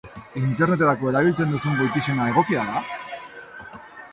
Interneterako erabiltzen duzun goitizena egokia da?